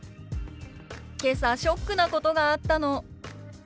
「けさショックなことがあったの」。